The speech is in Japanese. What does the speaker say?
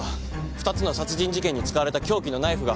２つの殺人事件に使われた凶器のナイフが。